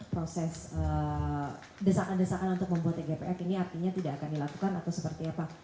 proses desakan desakan untuk membuat tgpf ini artinya tidak akan dilakukan atau seperti apa